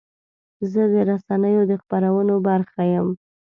زه د رسنیو د خپرونو برخه یم.